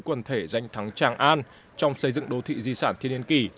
quần thể danh thắng tràng an trong xây dựng đô thị di sản thiên nhiên kỳ